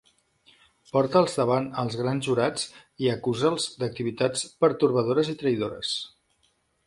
Porta'ls davant els grans jurats i acusa'ls d'activitats pertorbadores i traïdores.